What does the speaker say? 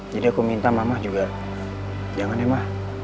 jadi aku minta sama ma juga jangan deh ma